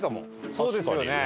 そうですよね。